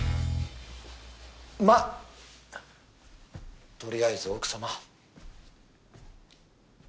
まぁとりあえず奥さま